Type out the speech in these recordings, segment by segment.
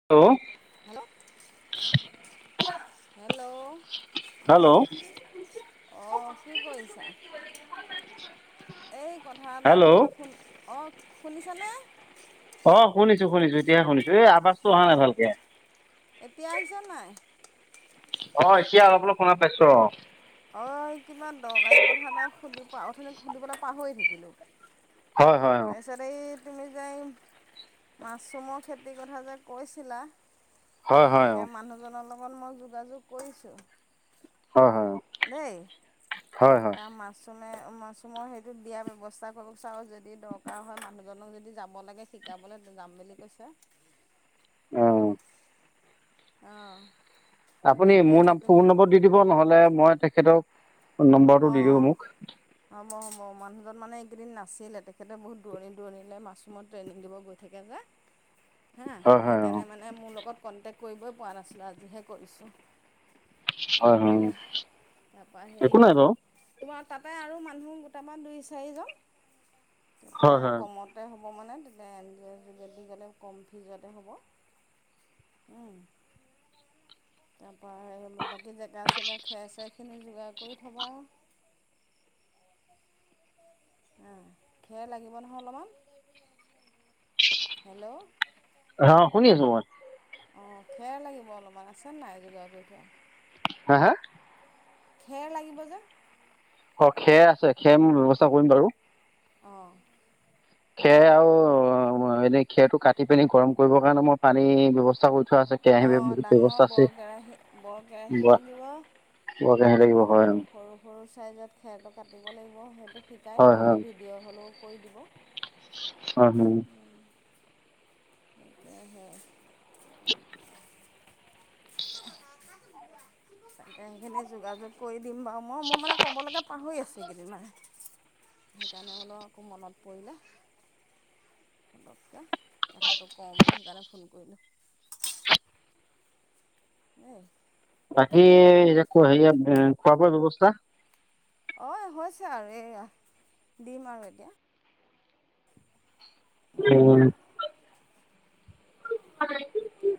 [unintelligible] Hello, [unintelligible] hello hello অ কি কৰিছা? এই কথা এটা হেল্ল' ক'বলৈ ফোন অ শুনিছানে। অ শুনিছো শুনিছো এতিয়াহে শুনিছো এই আৱাজটো অহা নাই ভালকে। এতিয়া আহিছে নাই। অ এতিয়া অলপ অলপ শুনা পাইছো অ। অ কিমান দৰকাৰী কথা এটা সুধি পা অথনি সুধিবলৈ পাহৰি থাকিলোঁ। হয় হয় অ, তাৰপিছতে এই তুমি যে এই মাছৰুমৰ খেতিৰ কথা যে কৈছিলা। হয় হয় তাকে মানুহজনৰ লগত মই যোগাযোগ কৰিছো। হয় হয় অ, দেই হয় হয় তাৰ মাছ মাছৰুমে মাছৰুমৰ সেইটোত দিয়াৰ ব্যৱস্থা কৰিব চাৰ আৰু যদি দৰকাৰ হয় মানুহজনক যদি যাব লাগে। শিকাবলে যাম বুলি কৈছে। অ আহ, আপুনি মোৰ নাম ফোন নম্বৰ দি দিব নহলে মই তেখেতক নম্বৰটো অ দি দিব মোক অ হ'ব হ'ব মানুহজন মানে এইকেইদিন নাছিলে তেখেতে বহুত দূৰণি দূৰণিলে মাছৰুমত ট্ৰেইনিং দিব গৈ থাকে যে। [inaudible] হা হয় হয় অ সেইকাৰণে মানে মোৰ লগত কণ্টেক্ট কৰিবই পৰা নাছিলে আজিহে কৰিছোঁ। হয় হয় তাৰপৰা সেই একো নাই বাৰু তোমাৰ তাতে আৰু মানুহ গোটাবা দুই চাৰিজন হয় তেতিয়া হয় কমত তে হ'ব মানে তেতিয়া এন জি অ'ৰ যোগেদি গ'লে কম ফিজতে হ'ব। উম। তাৰপৰা বাকী জেগা-চেগা খেৰ চেৰখিনি যোগাৰ কৰি থ'বা। আহ, খেৰ লাগিব নহয় অলপমান। [unintelligible] হেল্ল'। অ শুনি আছো মই। অ খেৰ লাগিব অলপমান আছেনে নাই যোগাৰ কৰি থোৱা? হা হা? খেৰ লাগিব যে। অ খেৰ আছে। খেৰ মই ব্যৱস্থা কৰিম বাৰু। অঁ। খেৰ আৰু অ এনে খেৰটো কাটি পিনি গৰম কৰিব কাৰণে মই পানীৰ ব্যৱস্থা কৰি থোৱা আছে। কেৰাহী অঁ ডাঙৰ ব্যৱস্থা বৰ কেৰাহী বৰ কেৰাহী লাগিব। বৰ কেৰাহী লা আৰু সৰু সৰু চাইজত খেৰটো কাটিব লাগিব সেইটো শিকাই হয় দিব হয় বাৰু ভিড ডিঅ' হ'লেও কৰি দিব। অ হুম। [unintelligible] তাকে সেইখিনি যোগাযোগ কৰি দিম বাৰু। মই মই মানে ক'বলৈকে পাহৰি আছো এইকেইদিন মানে। সেইকাৰণে হ'লেও আকৌ মনত পৰিলে, সটককে। কথাটো কওঁ বুলি সেইকাৰণে ফোন কৰিলোঁ। দেই বাকী এতিয়া হেৰিয়া খোৱা বোৱাৰ ব্যৱস্থা? অ হৈছে আৰু এইয়া, দিম আৰু এতিয়া। উম। [unintelligible] তাকে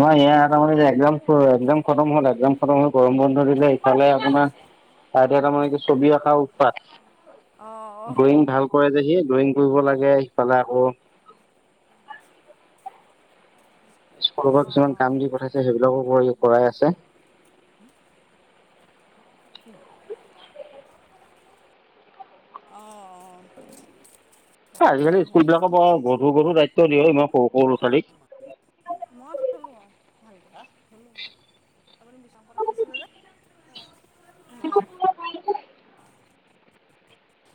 আমাৰ ইয়াৰ তাৰ মানে একজাম একজাম খতম হল একজাম খতম হল গৰম বন্ধ দিলে ইফালে আপোনাৰ তাৰ এতিয়া মানে ছবি আঁকা উৎপাত। অঁ ড্ৰয়িং ভাল কৰে যে সি। ড্ৰয়িং কৰিব লাগে সিফালে আকৌ স্কুলৰ অঁ অঁ পৰা কিছুমান অঁ কাম দি পঠাইছে সেইবিলাকো কৰাই আছে। [unintelligible] অঁ অঁ। আজিকালি তাকেহে স্কুলবিলাকৰ কি পৰা বিচাৰিছে গধুৰ-গধুৰ দায়িত্ব দিয়ে অ ইমান সৰু সৰু ল'ৰা-ছোৱালীক। মই থলো আৰু ভালকে, হা! থলো মই। আপুনি [unintelligible] যে উম অ।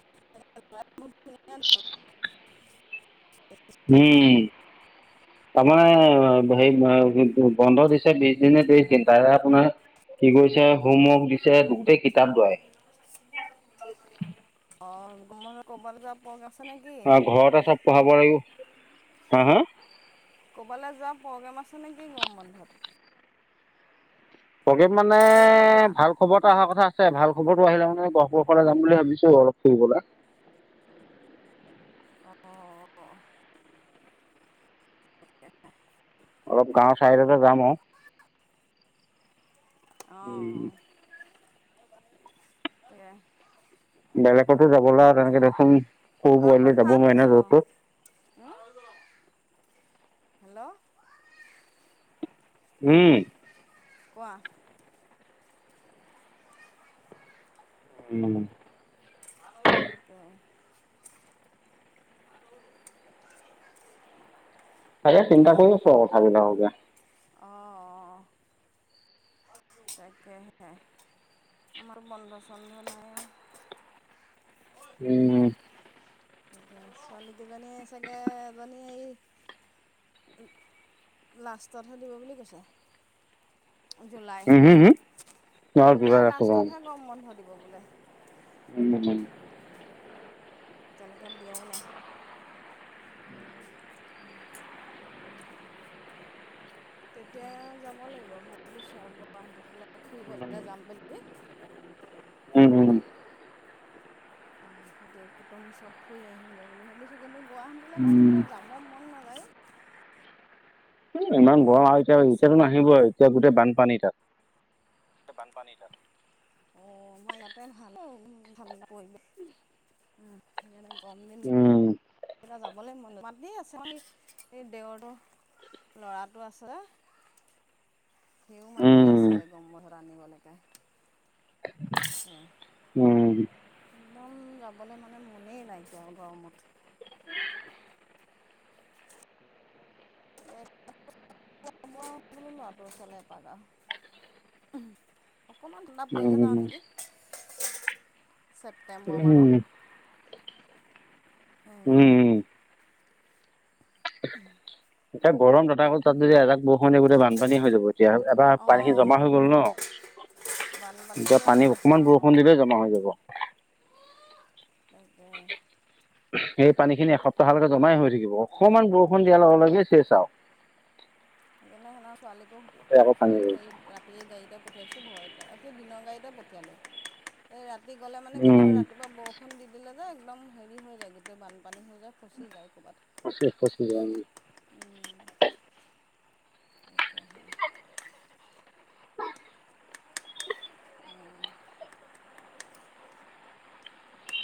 [unintelligible] হুম। তাৰমানে হে সেই ব ব বন্ধ দিছে বিছ দিননে ত্ৰিছ দিন তাৰে আপোনাৰ কি কৰিছে হোমৱৰ্ক দিছে, গোটেই কিতাপ [unintelligible] অ গৰম বন্ধত ক'বালৈ যোৱা পক আছে নেকি? অ ঘৰতে চব পঢ়াব লাগিব, হা হা! ক'ৰবালে যোৱা প্ৰগ্ৰেম আছে নে কি গৰম বন্ধত? প্ৰগ্ৰেম মানে ফুৰিবলৈ যোৱা ভাল খবৰ এটা অহা কথা আছে, ভাল খবৰটো আহিলে মানে গহপুৰৰ ফালে যাম বুলি ভাবিছো অলপ ফুৰিবলে। অ অ। [unintelligible] অলপ গাঁৱৰ চাইডতে যাম আৰু। উম, অ'! এয়াই। বেলেগতো যাবলে, তেনেকে দেখোন, সৰু পোৱালী যাব নোৱাৰি, না য'ত-তত। অ'! [unintelligible] হেল্ল'! উম! কোৱা? উম! [unintelligible] তাকে। ভাত হৈ গ'ল। তাকে, চিন্তা কৰি আছোঁ! ভালে যাব দিয়া। অ' অ'! তাকেহে, আমাৰ বন্ধ-চন্ধ নাই। উম! ছোৱালীকেইজনীয়ে চাগে, এজনী হেৰি [unintelligible] লাষ্টতহে দিব বুলি কৈছে। জুলাই, উম হু হু, অ যোগাৰ জুলাই লাষ্টতহে, গৰম বন্ধ দিব বোলে। [unintelligible] এতিয়ালৈকে দিয়াই নাই? [unintelligible] তেতিয়াই আৰু যাব লাগিব। ভাবিছোঁ আৰু! গুৱাহাটী ফালে, ফুৰিবলে যাম বুলি। উম, উম। উম, গোটেই কুটুম চব, ফুৰি আহিমগৈ বুলি ভাবিছোঁ! কিন্তু, গুৱাহাটীলৈ গৰম দিনত, যাব মন নাযায়, অ'! ইমান মানে গৰম আৰু! এতিয়া, বহুত বেছি এতিয়াতো গৰম যে নাহিবই। এতিয়া, গোটেই বানপানী তাত। বানপানী তাত। অ'! আমাৰ ইয়াতে, ভাল অ'! ঠাণ্ডা পৰিৱেশ। উম! সেইকাৰণে, গৰম দিন উম! কেইটা যাবলৈ মন [unintelligible] মাতিয়ে আছে, এই দেৱৰটো। ল'ৰাটো আছে। সিওঁ মাতি উম আছিলে, গৰম বন্ধত আনিবলৈকে। [unintelligible] উম একদম যাবলৈ মানে, মনেই নাইকিয়া আৰু গৰমত। মই বোলো, ল'ৰাটোৰ ওচৰলে, এপাক আও। অকণমান ঠাণ্ডা পৰিলে যাওঁ, উম নেকি! ছেপ্তেম্বৰ উম মানত। উম [unintelligible] এতিয়া, গৰম তাতে আ'ক! তাত, যদি এজাক বৰষুণ দিয়ে, গোটেই বানপানী হৈ যাব। এতিয়া, এবাৰ অঁ পানী খিনি জমা অঁ হৈ গ'ল ন'। এতিয়া, বানপানীটোৱে পানী সমস্যা অকমান অঁ বৰষুণ দিলে, জমা হৈ যাব। তাকে! সেই পানী খিনি, এসপ্তাহলৈকে জমাই হৈ থাকিব। অকণমান বৰষুণ দিয়াৰ লগে- লগে, চেছ আও। সেইকাৰণে, সেইদিনা ছোৱালীকো, সৰু আকৌ পানী হৈ ছোৱালীক যাব। হেৰি, ৰাতি গোটেই, গাড়ীতে পঠিয়াইছোঁ, ভয়তে! দিনৰ গাড়ীতে পঠিয়ালোঁ। এই, ৰাতি গ'লে মানে, উম কেতিয়াবা ৰাতিপুৱা বৰষুণ দি দিলে যে, একদম হেৰি হৈ যায়, গোটেই বানপানী হৈ যায়। ফচি যায়, ক'ৰবাত। চেচ ফচি যায় [unintelligible] উম! [unintelligible] অ'! [unintelligible]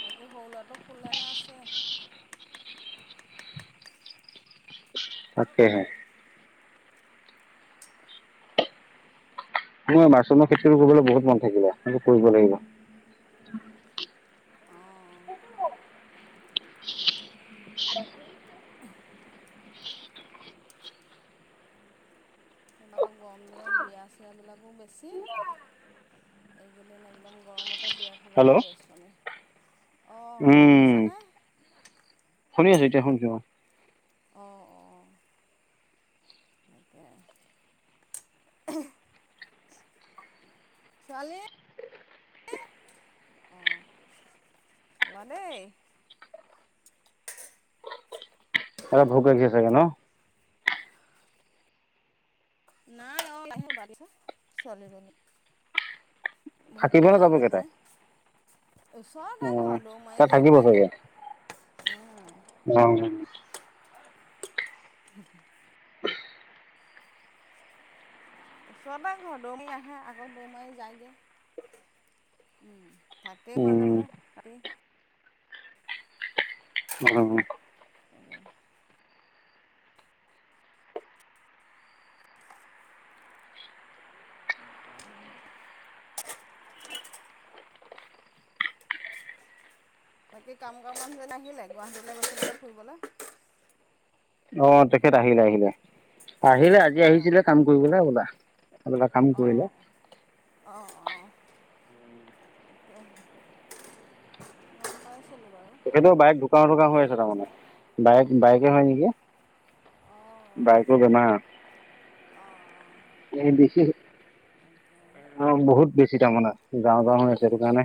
বাকী, সৰু ল'ৰাটো শুলে নে, আছে? তাকেহে! [unintelligible] মাচৰুমৰ খেতি কৰিবলে, বহুত মন থাকিলে, কৰিব লাগিব। অ'! তাকে। তাপা আকৌ গৰম দিনত বিয়া চিয়াবিলাকো বেছি, এইকেইদিন একদম গৰমতে বিয়া খাবলৈ হেল্ল' গৈ আছোঁ আমি। অঁ উম শুনিছানে? শুনি আছো এতিয়া শুনচো অ। অ, অ, অ। তাকে। ছোৱালী অ ৰবা দেই। সেতক ভোক লাগিছে চাগে ন? নাই অ ছোৱালীজনী। থাকিব নে যাব ভতিজাজনীয়ে কেইটাই অ ওচৰতে ঘৰত দৌ মাৰিলেই পায়গে। উম ৰাম ৰাম। [unintelligible] ওচৰতে ঘৰ দৌৰ মাৰি আহে আকৌ দৌ মাৰি যায়গৈ। উম থাকেও মাজে উম মাজে তাহাতি। অ। [unintelligible] [unintelligible] বাকী কাম কাম মানুহ জন আহিলে গুৱাহাটীলৈ গৈছিলো যে ফুৰিবলৈ। অ তেখেত আহিলে আহিলে আহিলে আজি অ আহিছিলে কাম কৰিবলৈ বলা। অঁ অঁ অঁ। তাকেহে গম পাইছিলোঁ বাৰু। সেই বাইক দোকান দোকান হৈ আছে তাৰমানে বাইক বাইকে হয় নেকি। অহ। বাইকৰ বেমাৰ, অঁ এই বিশেষ তাকে। অ বহুত বেছি তামানে যাওঁ যাওঁ হৈ আছে সেইটো কাৰণে।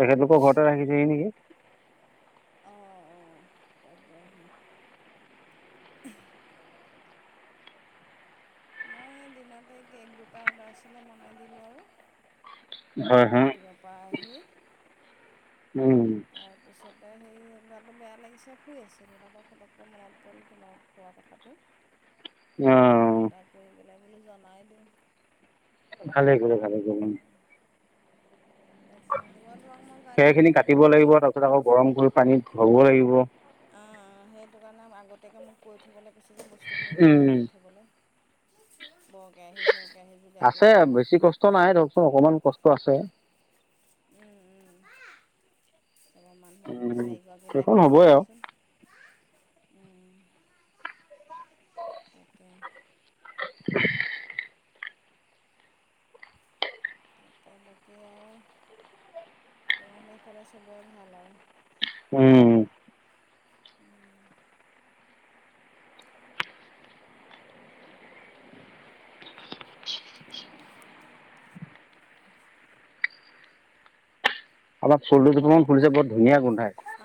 তেখেতলোকৰ ঘৰতে ৰাখিছেহি নেকি! অঁ অ অ তাকেহে। মই দিনতে কেক দুটা অৰ্ডাৰ আছিলে বনাই দিলোঁ আৰু। হয় হয় মিটিঙৰ পৰা আহি উম। তাৰপিছতে সেই গাটো বেয়া লাগিছে শুই আছিলো তাৰপৰা ফটককে মনত পৰিলে তোমাক কোৱা কথাটো। উম। ফোন এটা কৰি পেলাই বোলো জনাই দিওঁ। ভালেই কৰিলে ভালেই কৰিলে। তাকে হ'ব তোমাক মই কাইলৈ নম্বৰটো দিম তাছত আকৌ গৰম কৰি পানীত থব লাগিব। অঁ সেইটো কাৰণে আগতীয়াকে মোক কৈ থ'বলৈ কৈছে যে বস্তুখিনি যোগাৰ উম কৰি থ'বলৈ। বৰ কেৰাহি চৰ কেৰাহি আহি যোগাৰ আছে কৰি থ'বলৈ। বেছি কষ্ট নাই ধৰকচোন অকণমান কষ্ট আছে। উম উম। চবৰ মানুহ দুই উম চাৰিগৰাকী সেইখন লাগিবই হ'বই আৰু ধৰচোন। উম তাকে। [unintelligible] তাকে বাকী আৰু তেনেহ'লে সেফালে চবৰে ভাল আৰু। উম। উম। অহ। অলপ ফুল দুজোপামান ফুলিছে বৰ ধুনীয়া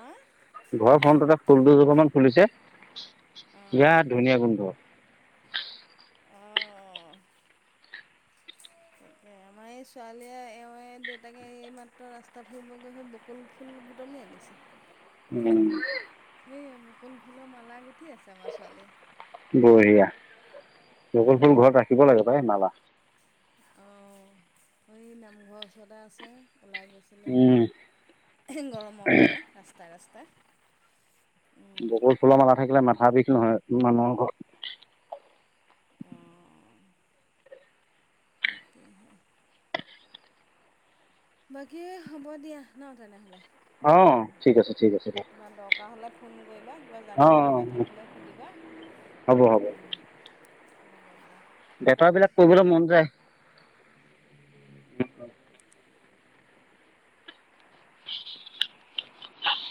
আহ ঘৰ ফন্ততে ফুল দুজোপা মান ফুলিছে অ', বিৰাট ধুনীয়া গোন্ধ। অ তাকে আমাৰ এই ছোৱালীয়ে এওঁৱে দেউতাকে এই মাত্ৰ ৰাস্তা ফুৰিব গৈ হৈ বক- বকুল ফুল বুটলি আনিছে হে উম হে সেয়ে মকুল ফুলৰ মালা গুঠি আছে আমাৰ ছোৱালীয়ে বঢ়িয়া বকুল ফুল ঘৰত ৰাখিব লাগে পাই মালা অ এই নামঘৰৰ ওচৰতে আছে ওলাই গৈছিলে উম দুইটা গৰমৰ কাৰণে ৰাস্তাই ৰাস্তাই উম, বকুল ফুলৰ মালা থাকিলে মাথা বিষ নহয় মানুহৰ ঘৰত অ তাকেহে বাকী হ'ব দিয়া ন তেনেহ'লে অ ঠিক আছে ঠিক আছে কিবা দৰকাৰ হ'লে ফোন কৰিবা কিবা অ জানিব লগা থাকিলে সুধিবা হ'ব হ'ব হ'ব দিয়া ডেটৰ বিলাক কৰিবলৈ মন যায়